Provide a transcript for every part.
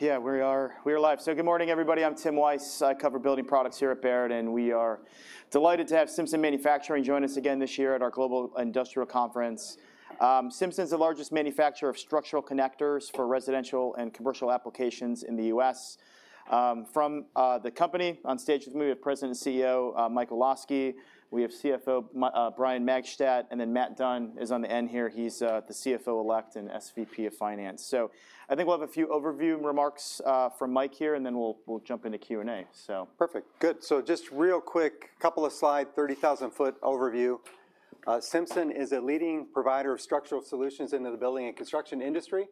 Yeah, we are. We are live, so good morning, everybody. I'm Tim Weiss. I cover building products here at Baird, and we are delighted to have Simpson Manufacturing join us again this year at our Global Industrial Conference. Simpson's the largest manufacturer of structural connectors for residential and commercial applications in the U.S. From the company, on stage with me, we have President and CEO Michael Olosky. We have CFO Brian Magstedt, and then Matt Dunn is on the end here. He's the CFO-elect and SVP of Finance, so I think we'll have a few overview remarks from Mike here, and then we'll jump into Q&A. Perfect. Good. So just real quick, a couple of slides, 30,000-foot overview. Simpson is a leading provider of structural solutions into the building and construction industry.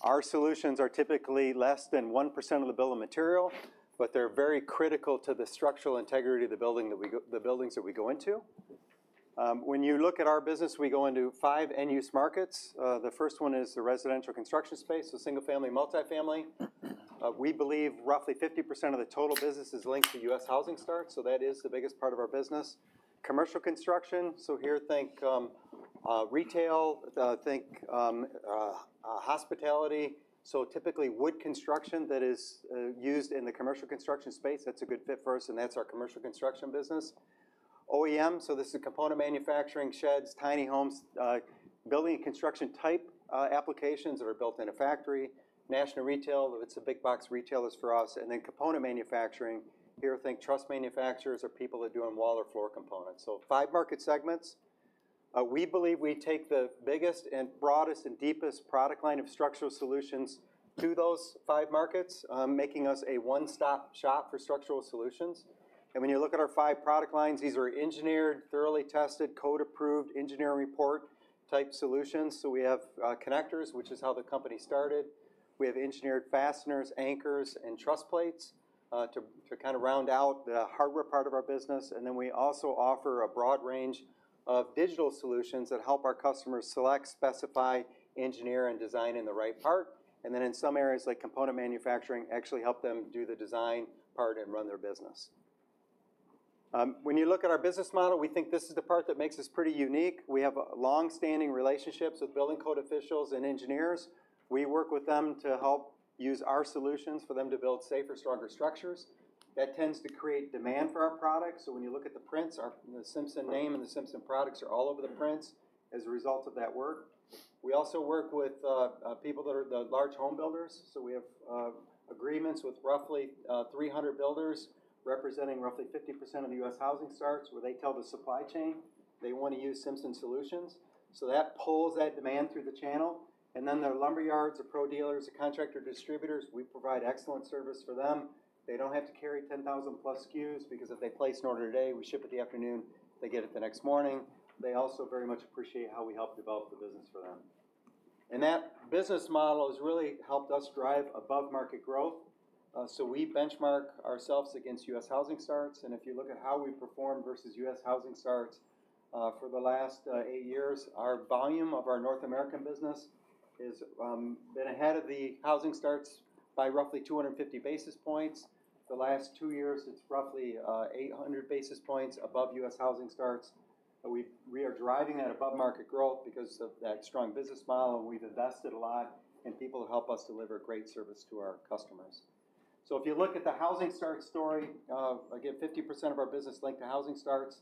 Our solutions are typically less than 1% of the bill of material, but they're very critical to the structural integrity of the buildings that we go into. When you look at our business, we go into five end-use markets. The first one is the residential construction space, so single-family, multifamily. We believe roughly 50% of the total business is linked to U.S. housing starts. So that is the biggest part of our business. Commercial construction, so here think retail, think hospitality. So typically wood construction that is used in the commercial construction space, that's a good fit for us, and that's our commercial construction business. OEM, so this is component manufacturing, sheds, tiny homes, building and construction type applications that are built in a factory. National retail, it's a big box retailers for us. And then component manufacturing, here think truss manufacturers or people that do on wall or floor components. So five market segments. We believe we take the biggest and broadest and deepest product line of structural solutions to those five markets, making us a one-stop shop for structural solutions. And when you look at our five product lines, these are engineered, thoroughly tested, code-approved engineering report type solutions. So we have connectors, which is how the company started. We have engineered fasteners, anchors, and truss plates to kind of round out the hardware part of our business. And then we also offer a broad range of digital solutions that help our customers select, specify, engineer, and design in the right part. And then in some areas like component manufacturing, actually help them do the design part and run their business. When you look at our business model, we think this is the part that makes us pretty unique. We have long-standing relationships with building code officials and engineers. We work with them to help use our solutions for them to build safer, stronger structures. That tends to create demand for our products. So when you look at the prints, the Simpson name and the Simpson products are all over the prints as a result of that work. We also work with people that are the large home builders. So we have agreements with roughly 300 builders representing roughly 50% of the U.S. housing starts, where they tell the supply chain they want to use Simpson solutions. So that pulls that demand through the channel. Their lumber yards, the Pro dealers, the contractor distributors, we provide excellent service for them. They don't have to carry 10,000+ SKUs because if they place an order today, we ship it the afternoon, they get it the next morning. They also very much appreciate how we help develop the business for them. That business model has really helped us drive above-market growth. We benchmark ourselves against U.S. housing starts. If you look at how we perform versus U.S. housing starts for the last eight years, our volume of our North American business has been ahead of the housing starts by roughly 250 basis points. The last two years, it's roughly 800 basis points above U.S. housing starts. We are driving that above-market growth because of that strong business model. We've invested a lot, and people help us deliver great service to our customers. If you look at the housing starts story, again, 50% of our business linked to housing starts.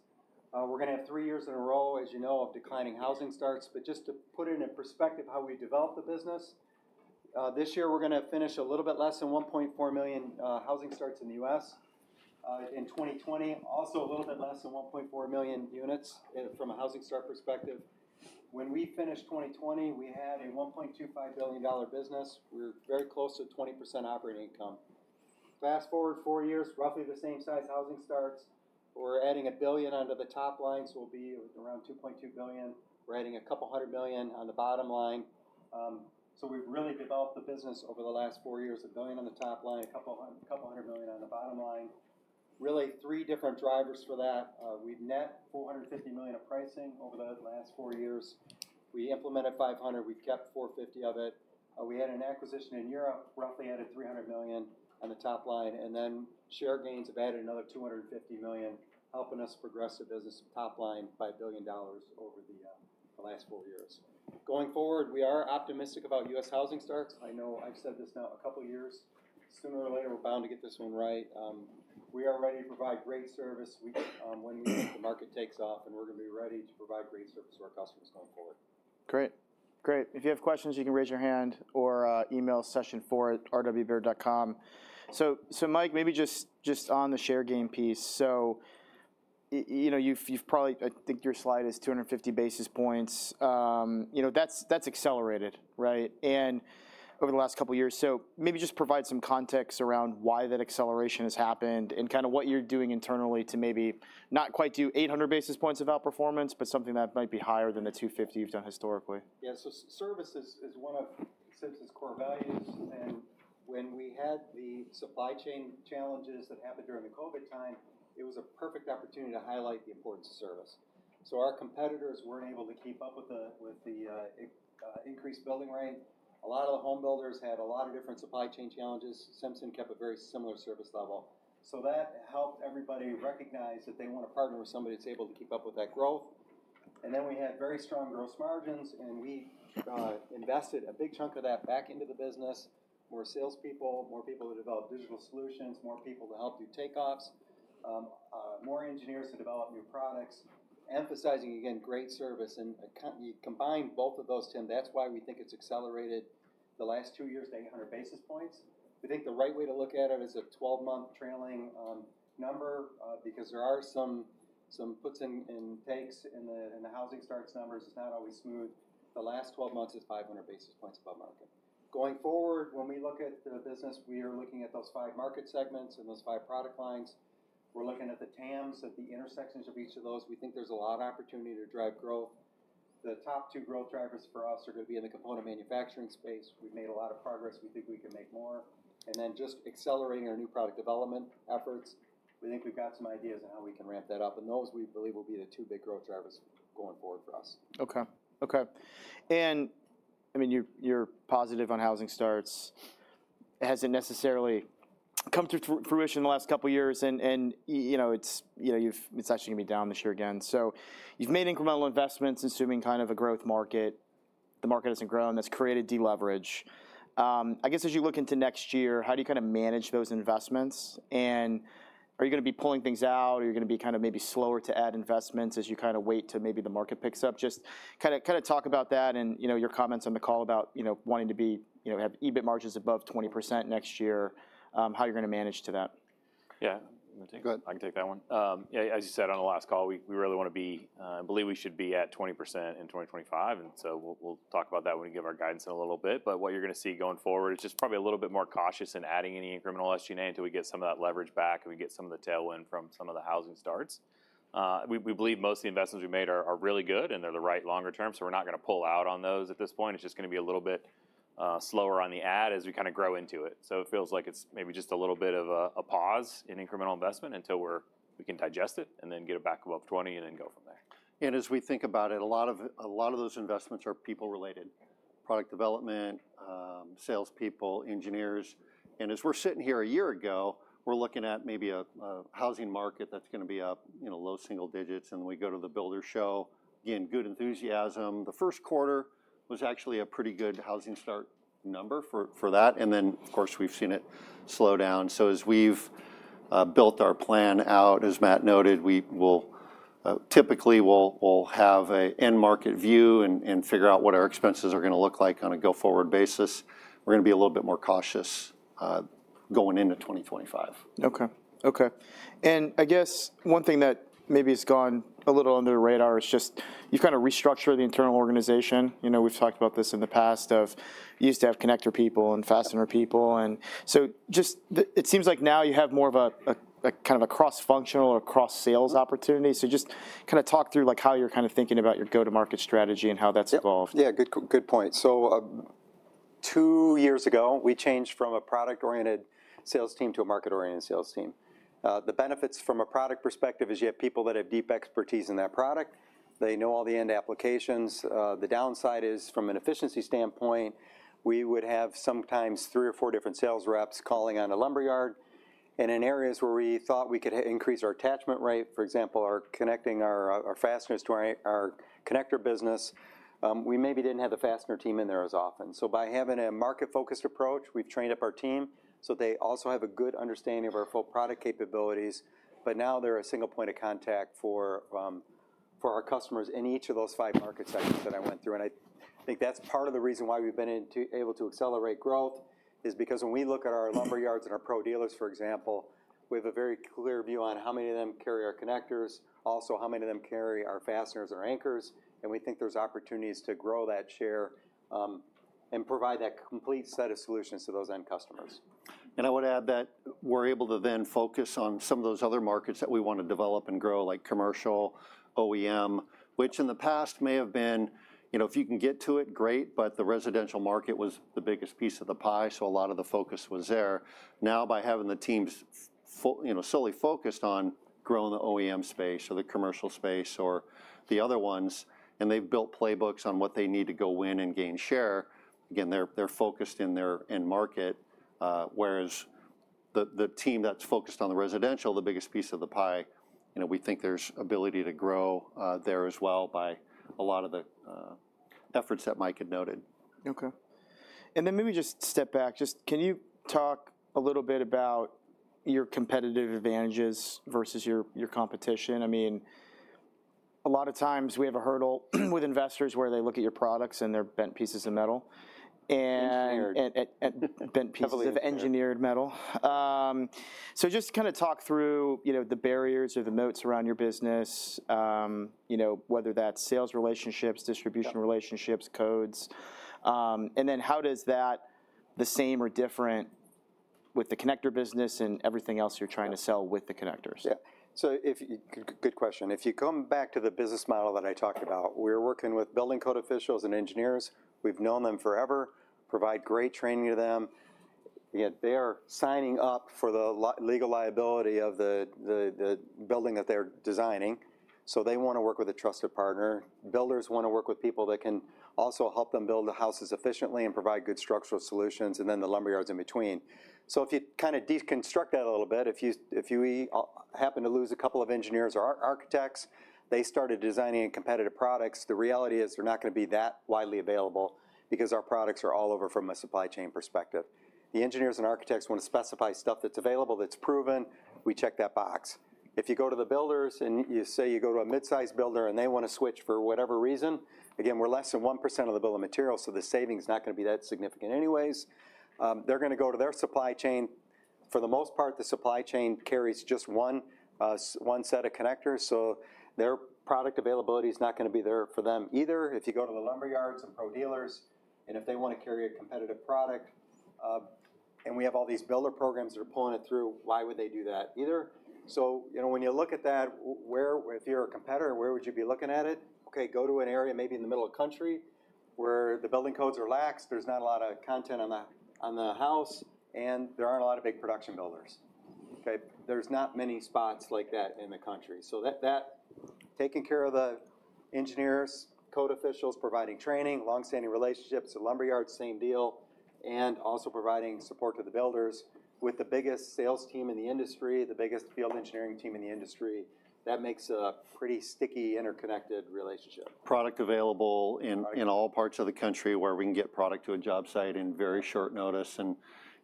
We're going to have three years in a row, as you know, of declining housing starts. But just to put it in perspective how we develop the business, this year we're going to finish a little bit less than 1.4 million housing starts in the U.S. in 2020, also a little bit less than 1.4 million units from a housing start perspective. When we finished 2020, we had a $1.25 billion business. We're very close to 20% operating income. Fast forward four years, roughly the same size housing starts. We're adding $1 billion onto the top line, so we'll be around $2.2 billion. We're adding $200 million on the bottom line. So we've really developed the business over the last four years, $1 billion on the top line, $200 million on the bottom line. Really three different drivers for that. We've net $450 million of pricing over the last four years. We implemented $500 million, we kept $450 million of it. We had an acquisition in Europe, roughly added $300 million on the top line. And then share gains have added another $250 million, helping us progress the business top line by $1 billion over the last four years. Going forward, we are optimistic about U.S. housing starts. I know I've said this now a couple of years. Sooner or later, we're bound to get this one right. We are ready to provide great service when the market takes off, and we're going to be ready to provide great service to our customers going forward. Great. Great. If you have questions, you can raise your hand or email session4@rwbaird.com. So Mike, maybe just on the share gain piece. So you've probably, I think your slide is 250 basis points. That's accelerated, right, over the last couple of years. So maybe just provide some context around why that acceleration has happened and kind of what you're doing internally to maybe not quite do 800 basis points of outperformance, but something that might be higher than the 250 you've done historically. Yeah, so service is one of Simpson's core values, and when we had the supply chain challenges that happened during the COVID time, it was a perfect opportunity to highlight the importance of service, so our competitors weren't able to keep up with the increased building rate. A lot of the home builders had a lot of different supply chain challenges. Simpson kept a very similar service level, so that helped everybody recognize that they want to partner with somebody that's able to keep up with that growth, and then we had very strong gross margins, and we invested a big chunk of that back into the business. More salespeople, more people to develop digital solutions, more people to help do takeoffs, more engineers to develop new products, emphasizing, again, great service. And you combine both of those, Tim, that's why we think it's accelerated the last two years to 800 basis points. We think the right way to look at it is a 12-month trailing number because there are some puts and takes in the housing starts numbers. It's not always smooth. The last 12 months is 500 basis points above market. Going forward, when we look at the business, we are looking at those five market segments and those five product lines. We're looking at the TAMs, at the intersections of each of those. We think there's a lot of opportunity to drive growth. The top two growth drivers for us are going to be in the component manufacturing space. We've made a lot of progress. We think we can make more. And then just accelerating our new product development efforts. We think we've got some ideas on how we can ramp that up, and those we believe will be the two big growth drivers going forward for us. Okay. Okay. And I mean, you're positive on housing starts. It hasn't necessarily come to fruition in the last couple of years, and it's actually going to be down this year again. So you've made incremental investments, assuming kind of a growth market. The market hasn't grown. That's created deleverage. I guess as you look into next year, how do you kind of manage those investments? And are you going to be pulling things out? Are you going to be kind of maybe slower to add investments as you kind of wait to maybe the market picks up? Just kind of talk about that and your comments on the call about wanting to have EBIT margins above 20% next year, how you're going to manage to that. Yeah. I can take that one. As you said on the last call, we really want to be. I believe we should be at 20% in 2025. And so we'll talk about that when we give our guidance in a little bit. But what you're going to see going forward is just probably a little bit more cautious in adding any incremental SG&A until we get some of that leverage back and we get some of the tailwind from some of the housing starts. We believe most of the investments we made are really good, and they're the right longer term. So we're not going to pull out on those at this point. It's just going to be a little bit slower on the add as we kind of grow into it. So it feels like it's maybe just a little bit of a pause in incremental investment until we can digest it and then get it back above 20 and then go from there. And as we think about it, a lot of those investments are people-related: product development, salespeople, engineers. And as we're sitting here a year ago, we're looking at maybe a housing market that's going to be low single digits. And we go to the Builders' show, again, good enthusiasm. The first quarter was actually a pretty good housing start number for that. And then, of course, we've seen it slow down. So as we've built our plan out, as Matt noted, typically we'll have an end-market view and figure out what our expenses are going to look like on a go-forward basis. We're going to be a little bit more cautious going into 2025. Okay. Okay. And I guess one thing that maybe has gone a little under the radar is just you've kind of restructured the internal organization. We've talked about this in the past, but you used to have connector people and fastener people. And so, it just seems like now you have more of a kind of a cross-functional or cross-sales opportunity. So, just kind of talk through how you're kind of thinking about your go-to-market strategy and how that's evolved. Yeah. Good point, so two years ago, we changed from a product-oriented sales team to a market-oriented sales team. The benefits from a product perspective is you have people that have deep expertise in that product. They know all the end applications. The downside is from an efficiency standpoint, we would have sometimes three or four different sales reps calling on a lumber yard. And in areas where we thought we could increase our attachment rate, for example, connecting our fasteners to our connector business, we maybe didn't have the fastener team in there as often, so by having a market-focused approach, we've trained up our team so they also have a good understanding of our full product capabilities, but now they're a single point of contact for our customers in each of those five market segments that I went through. And I think that's part of the reason why we've been able to accelerate growth is because when we look at our lumber yards and our pro dealers, for example, we have a very clear view on how many of them carry our connectors, also how many of them carry our fasteners or anchors. And we think there's opportunities to grow that share and provide that complete set of solutions to those end customers. And I want to add that we're able to then focus on some of those other markets that we want to develop and grow, like commercial, OEM, which in the past may have been, if you can get to it, great, but the residential market was the biggest piece of the pie. So a lot of the focus was there. Now by having the teams solely focused on growing the OEM space or the commercial space or the other ones, and they've built playbooks on what they need to go win and gain share, again, they're focused in their end market. Whereas the team that's focused on the residential, the biggest piece of the pie, we think there's ability to grow there as well by a lot of the efforts that Mike had noted. Okay. And then maybe just step back. Just, can you talk a little bit about your competitive advantages versus your competition? I mean, a lot of times we have a hurdle with investors where they look at your products and they're bent pieces of metal. Bent pieces of engineered metal. So just kind of talk through the barriers or the notes around your business, whether that's sales relationships, distribution relationships, codes. And then how does that the same or different with the connector business and everything else you're trying to sell with the connectors? Yeah. So, good question. If you come back to the business model that I talked about, we're working with building code officials and engineers. We've known them forever, provide great training to them. They are signing up for the legal liability of the building that they're designing. So they want to work with a trusted partner. Builders want to work with people that can also help them build the houses efficiently and provide good structural solutions and then the lumber yards in between. So if you kind of deconstruct that a little bit, if you happen to lose a couple of engineers or architects, they started designing competitive products, the reality is they're not going to be that widely available because our products are all over from a supply chain perspective. The engineers and architects want to specify stuff that's available that's proven. We check that box. If you go to the builders and you say you go to a mid-size builder and they want to switch for whatever reason, again, we're less than 1% of the bill of material, so the saving is not going to be that significant anyways. They're going to go to their supply chain. For the most part, the supply chain carries just one set of connectors, so their product availability is not going to be there for them either. If you go to the lumber yards and pro dealers and if they want to carry a competitive product and we have all these builder programs that are pulling it through, why would they do that either? So when you look at that, if you're a competitor, where would you be looking at it? Okay, go to an area maybe in the middle of the country where the building codes are lax. There's not a lot of content on the house, and there aren't a lot of big production builders. Okay. There's not many spots like that in the country. So taking care of the engineers, code officials, providing training, long-standing relationships to lumber yards, same deal, and also providing support to the builders with the biggest sales team in the industry, the biggest field engineering team in the industry, that makes a pretty sticky interconnected relationship. Product available in all parts of the country where we can get product to a job site in very short notice, and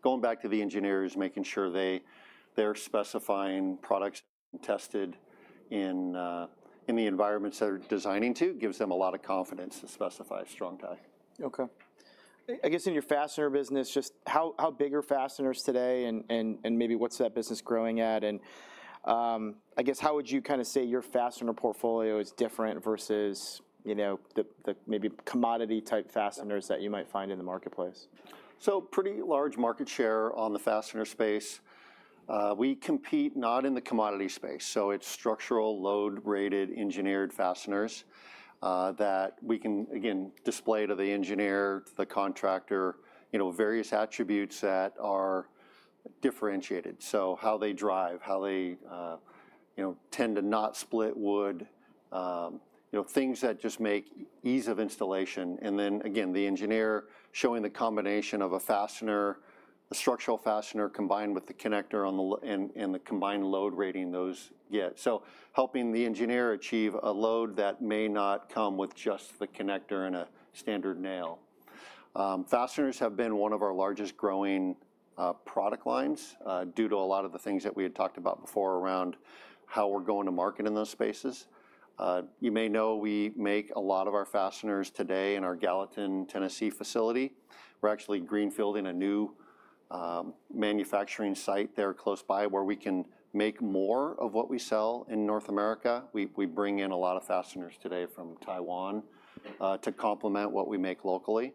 going back to the engineers, making sure they're specifying products tested in the environments they're designing to gives them a lot of confidence to specify Strong-Tie. Okay. I guess in your fastener business, just how big are fasteners today and maybe what's that business growing at, and I guess how would you kind of say your fastener portfolio is different versus the maybe commodity-type fasteners that you might find in the marketplace? So, pretty large market share on the fastener space. We compete not in the commodity space. So it's structural, load-rated, engineered fasteners that we can, again, display to the engineer, the contractor, various attributes that are differentiated. So how they drive, how they tend to not split wood, things that just make ease of installation. And then again, the engineer showing the combination of a fastener, a structural fastener combined with the connector and the combined load rating those get. So helping the engineer achieve a load that may not come with just the connector and a standard nail. Fasteners have been one of our largest growing product lines due to a lot of the things that we had talked about before around how we're going to market in those spaces. You may know we make a lot of our fasteners today in our Gallatin, Tennessee facility. We're actually greenfielding a new manufacturing site there close by where we can make more of what we sell in North America. We bring in a lot of fasteners today from Taiwan to complement what we make locally.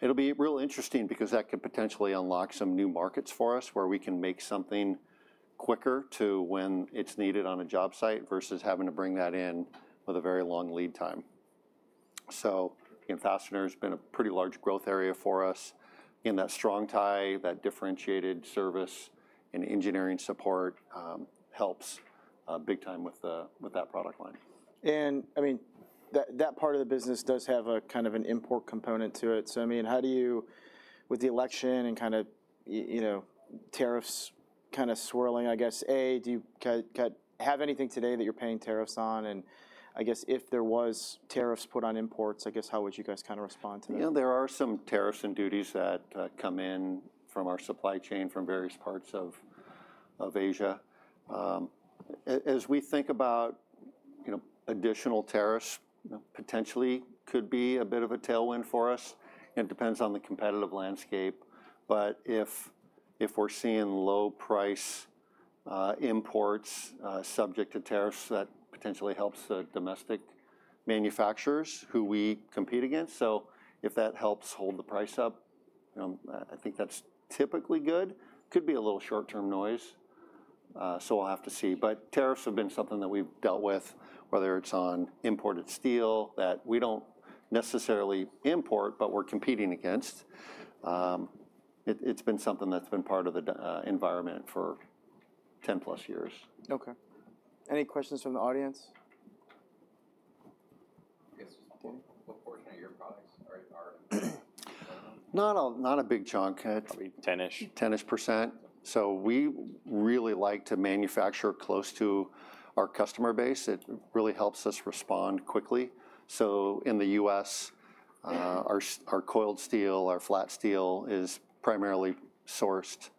It'll be real interesting because that could potentially unlock some new markets for us where we can make something quicker to when it's needed on a job site versus having to bring that in with a very long lead time. So fasteners have been a pretty large growth area for us. Again, that Strong-Tie, that differentiated service and engineering support helps big time with that product line. I mean, that part of the business does have a kind of an import component to it. I mean, how do you, with the election and kind of tariffs kind of swirling, I guess, A, do you have anything today that you're paying tariffs on? I guess if there was tariffs put on imports, I guess how would you guys kind of respond to that? There are some tariffs and duties that come in from our supply chain from various parts of Asia. As we think about additional tariffs, potentially could be a bit of a tailwind for us. It depends on the competitive landscape. But if we're seeing low-price imports subject to tariffs, that potentially helps the domestic manufacturers who we compete against. So if that helps hold the price up, I think that's typically good. Could be a little short-term noise. So we'll have to see. But tariffs have been something that we've dealt with, whether it's on imported steel that we don't necessarily import, but we're competing against. It's been something that's been part of the environment for 10+ years. Okay. Any questions from the audience? Not a big chunk. Probably 10-ish, 10-ish%. So we really like to manufacture close to our customer base. It really helps us respond quickly. So in the U.S., our coiled steel, our flat steel is primarily sourced,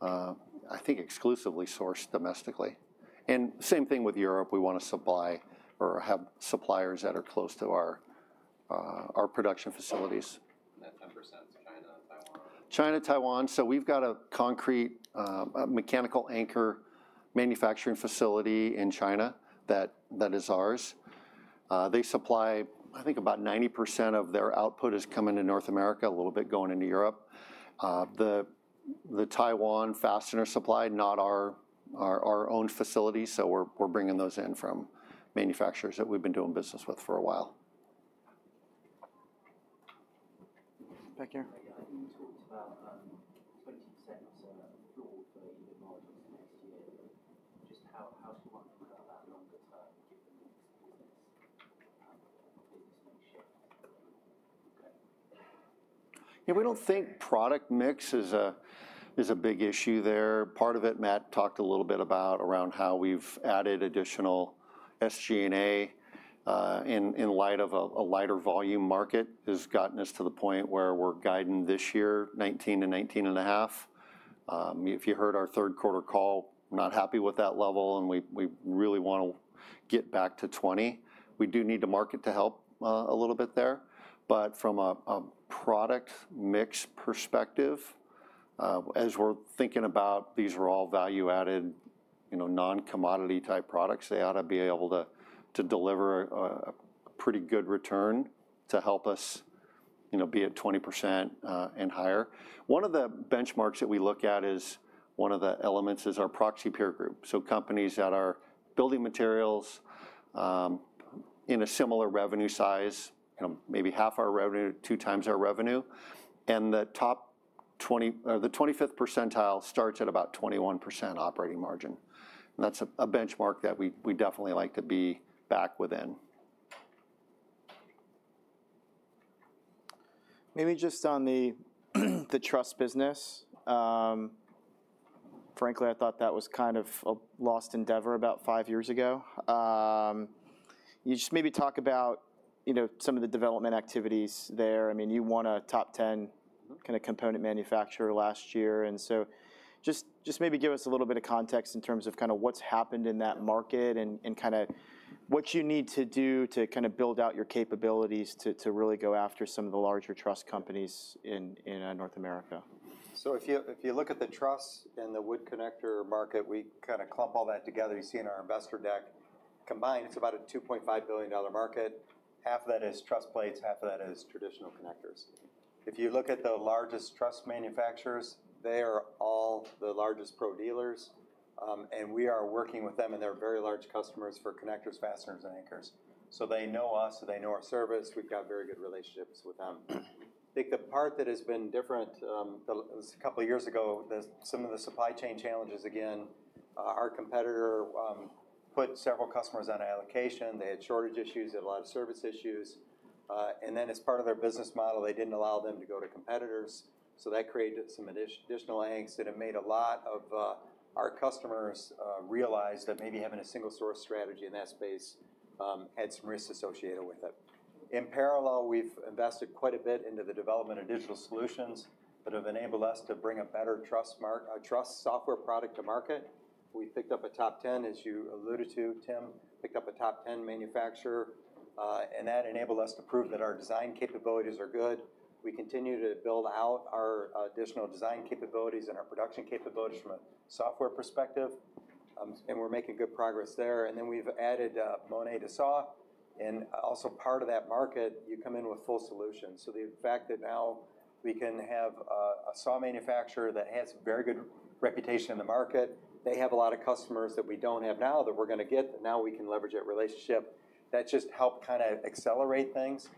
I think exclusively sourced domestically. And same thing with Europe. We want to supply or have suppliers that are close to our production facilities. China, Taiwan. So we've got a concrete mechanical anchor manufacturing facility in China that is ours. They supply, I think about 90% of their output is coming to North America, a little bit going into Europe. The Taiwan fastener supply, not our own facility. So we're bringing those in from manufacturers that we've been doing business with for a while. Thank you.. You talked about 20% floor for EBIT margins next year. Just how do you want to look at that longer term given the next business shift? Yeah, we don't think product mix is a big issue there. Part of it, Matt talked a little bit about around how we've added additional SG&A in light of a lighter volume market has gotten us to the point where we're guiding this year, 19%-19.5%. If you heard our third quarter call, we're not happy with that level, and we really want to get back to 20%. We do need to market to help a little bit there. But from a product mix perspective, as we're thinking about, these are all value-added, non-commodity type products. They ought to be able to deliver a pretty good return to help us be at 20% and higher. One of the benchmarks that we look at is one of the elements is our proxy peer group. So companies that are building materials in a similar revenue size, maybe half our revenue, 2x our revenue. And the top 20 or the 25th percentile starts at about 21% operating margin. And that's a benchmark that we definitely like to be back within. Maybe just on the truss business. Frankly, I thought that was kind of a lost endeavor about five years ago. You just maybe talk about some of the development activities there. I mean, you won a top 10 kind of component manufacturer last year. And so just maybe give us a little bit of context in terms of kind of what's happened in that market and kind of what you need to do to kind of build out your capabilities to really go after some of the larger truss companies in North America. So if you look at the truss and the wood connector market, we kind of clump all that together. You see in our investor deck combined, it's about a $2.5 billion market. Half of that is truss plates, half of that is traditional connectors. If you look at the largest truss manufacturers, they are all the largest pro dealers. And we are working with them, and they're very large customers for connectors, fasteners, and anchors. So they know us, they know our service. We've got very good relationships with them. I think the part that has been different a couple of years ago, some of the supply chain challenges, again, our competitor put several customers on allocation. They had shortage issues, they had a lot of service issues. And then as part of their business model, they didn't allow them to go to competitors. So that created some additional angst that had made a lot of our customers realize that maybe having a single source strategy in that space had some risks associated with it. In parallel, we've invested quite a bit into the development of digital solutions that have enabled us to bring a better truss software product to market. We picked up a top 10, as you alluded to, Tim, picked up a top 10 manufacturer. And that enabled us to prove that our design capabilities are good. We continue to build out our additional design capabilities and our production capabilities from a software perspective. And we're making good progress there. And then we've added Monet DeSauw. And also part of that market, you come in with full solutions. The fact that now we can have a saw manufacturer that has a very good reputation in the market, they have a lot of customers that we don't have, now that we're going to get, that now we can leverage that relationship, that just helped kind of accelerate things.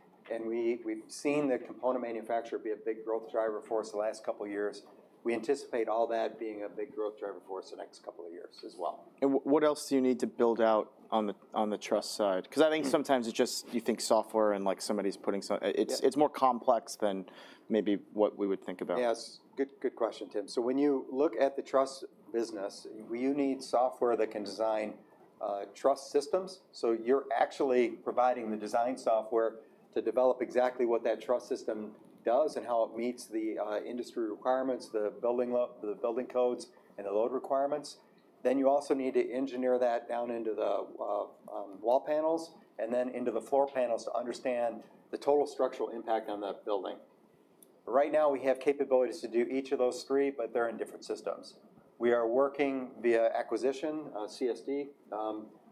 We've seen the component manufacturer be a big growth driver for us the last couple of years. We anticipate all that being a big growth driver for us the next couple of years as well. And what else do you need to build out on the truss side? Because I think sometimes it's just you think software and like somebody's putting something, it's more complex than maybe what we would think about. Yes. Good question, Tim. So when you look at the truss business, you need software that can design truss systems. So you're actually providing the design software to develop exactly what that truss system does and how it meets the industry requirements, the building codes, and the load requirements. Then you also need to engineer that down into the wall panels and then into the floor panels to understand the total structural impact on that building. Right now, we have capabilities to do each of those three, but they're in different systems. We are working via acquisition. CSD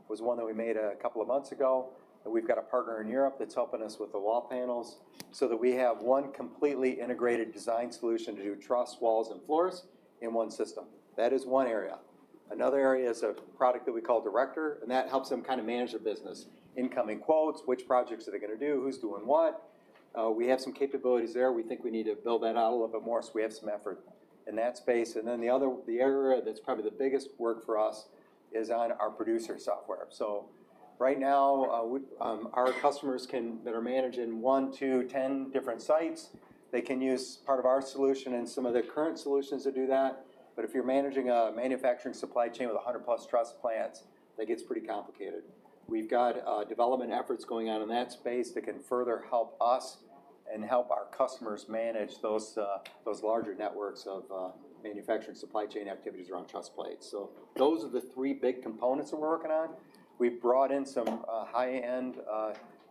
was one that we made a couple of months ago. And we've got a partner in Europe that's helping us with the wall panels so that we have one completely integrated design solution to do truss walls and floors in one system. That is one area. Another area is a product that we call Director, and that helps them kind of manage their business, incoming quotes, which projects are they going to do, who's doing what. We have some capabilities there. We think we need to build that out a little bit more, so we have some effort in that space. And then the area that's probably the biggest work for us is on our producer software. So right now, our customers that are managing one, two, 10 different sites, they can use part of our solution and some of their current solutions to do that. But if you're managing a manufacturing supply chain with 100+ truss plants, that gets pretty complicated. We've got development efforts going on in that space that can further help us and help our customers manage those larger networks of manufacturing supply chain activities around truss plates. So those are the three big components that we're working on. We've brought in some high-end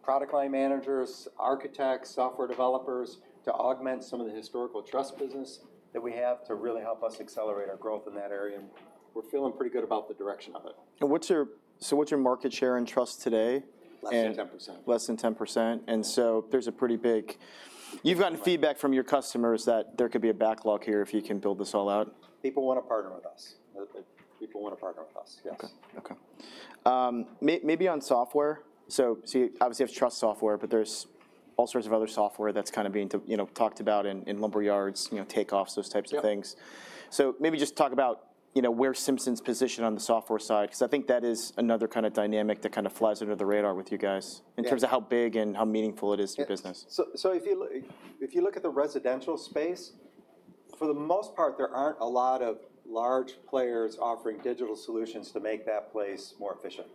product line managers, architects, software developers to augment some of the historical truss business that we have to really help us accelerate our growth in that area. And we're feeling pretty good about the direction of it. So what's your market share in truss today? Less than 10%. Less than 10%. And so there's a pretty big, you've gotten feedback from your customers that there could be a backlog here if you can build this all out. People want to partner with us. People want to partner with us, yes. Okay. Maybe on software. So obviously you have truss software, but there's all sorts of other software that's kind of being talked about in lumber yards, takeoffs, those types of things. So maybe just talk about where Simpson's positioned on the software side, because I think that is another kind of dynamic that kind of flies under the radar with you guys in terms of how big and how meaningful it is to your business. So if you look at the residential space, for the most part, there aren't a lot of large players offering digital solutions to make that place more efficient.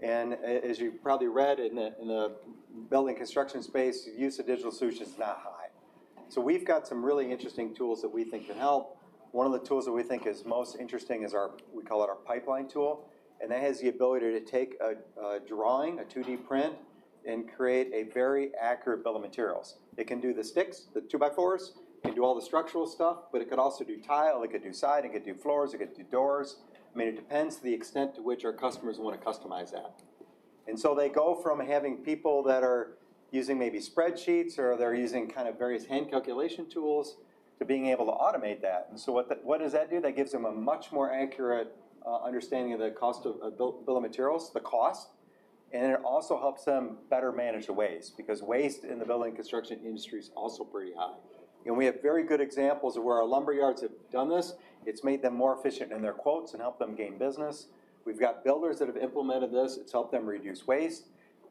And as you've probably read, in the building construction space, use of digital solutions is not high. So we've got some really interesting tools that we think can help. One of the tools that we think is most interesting is. We call it our Pipeline tool. And that has the ability to take a drawing, a 2D print, and create a very accurate bill of materials. It can do the sticks, the two-by-fours, it can do all the structural stuff, but it could also do tile, it could do siding, it could do floors, it could do doors. I mean, it depends to the extent to which our customers want to customize that. And so they go from having people that are using maybe spreadsheets or they're using kind of various hand calculation tools to being able to automate that. And so what does that do? That gives them a much more accurate understanding of the cost of bill of materials, the cost. And it also helps them better manage the waste because waste in the building construction industry is also pretty high. And we have very good examples of where our lumber yards have done this. It's made them more efficient in their quotes and helped them gain business. We've got builders that have implemented this. It's helped them reduce waste.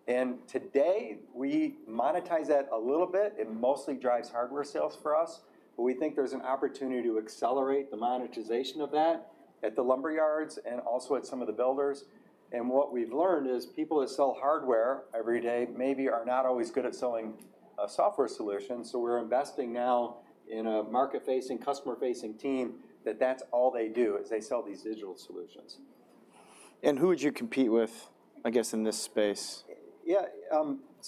And today, we monetize that a little bit. It mostly drives hardware sales for us. But we think there's an opportunity to accelerate the monetization of that at the lumber yards and also at some of the builders. What we've learned is people that sell hardware every day maybe are not always good at selling software solutions. We're investing now in a market-facing, customer-facing team that all they do is they sell these digital solutions. And who would you compete with, I guess, in this space?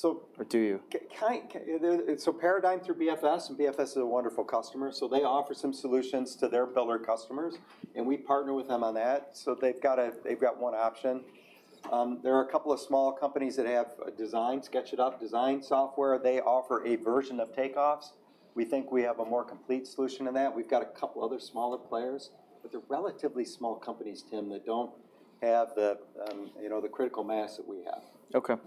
Yeah. Or do you? So paradigm through BFS, and BFS is a wonderful customer. They offer some solutions to their builder customers. We partner with them on that. They've got one option. There are a couple of small companies that have design, SketchUp, design software. They offer a version of takeoffs. We think we have a more complete solution than that. We've got a couple other smaller players, but they're relatively small companies, Tim, that don't have the critical mass that we have. Okay. Okay,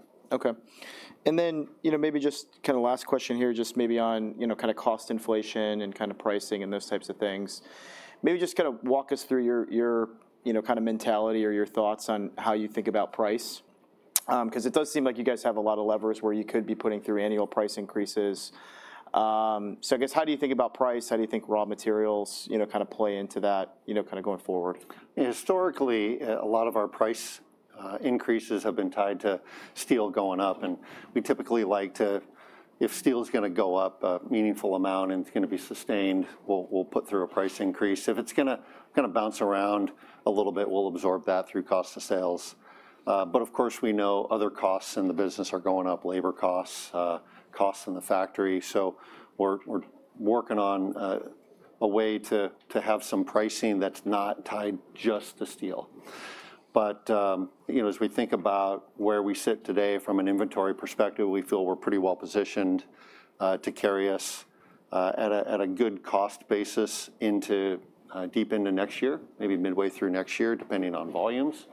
and then maybe just kind of last question here, just maybe on kind of cost inflation and kind of pricing and those types of things. Maybe just kind of walk us through your kind of mentality or your thoughts on how you think about price. Because it does seem like you guys have a lot of levers where you could be putting through annual price increases. So I guess how do you think about price? How do you think raw materials kind of play into that kind of going forward? Historically, a lot of our price increases have been tied to steel going up. And we typically like to, if steel is going to go up a meaningful amount and it's going to be sustained, we'll put through a price increase. If it's going to kind of bounce around a little bit, we'll absorb that through cost of sales. But of course, we know other costs in the business are going up, labor costs, costs in the factory. So we're working on a way to have some pricing that's not tied just to steel. But as we think about where we sit today from an inventory perspective, we feel we're pretty well positioned to carry us at a good cost basis deep into next year, maybe midway through next year, depending on volumes.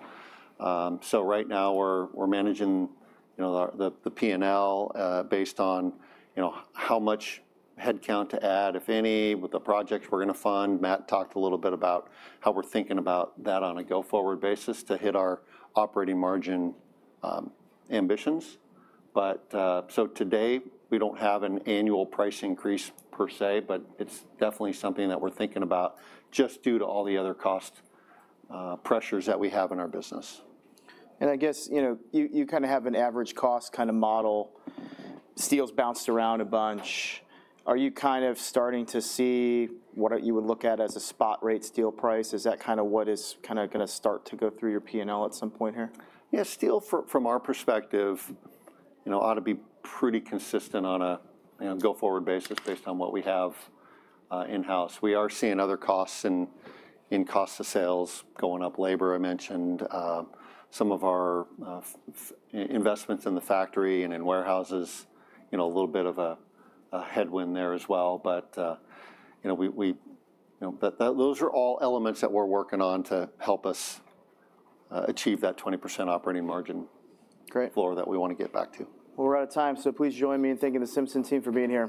So right now, we're managing the P&L based on how much headcount to add, if any, with the projects we're going to fund. Matt talked a little bit about how we're thinking about that on a go-forward basis to hit our operating margin ambitions. But so today, we don't have an annual price increase per se, but it's definitely something that we're thinking about just due to all the other cost pressures that we have in our business. I guess you kind of have an average cost kind of model. Steel's bounced around a bunch. Are you kind of starting to see what you would look at as a spot rate steel price? Is that kind of what is kind of going to start to go through your P&L at some point here? Yeah. Steel, from our perspective, ought to be pretty consistent on a go-forward basis based on what we have in-house. We are seeing other costs in cost of sales going up. Labor, I mentioned some of our investments in the factory and in warehouses, a little bit of a headwind there as well. But those are all elements that we're working on to help us achieve that 20% operating margin floor that we want to get back to. Great. Well, we're out of time, so please join me in thanking the Simpson team for being here.